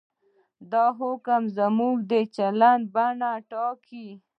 دا حکم زموږ د چلند بڼه ټاکي.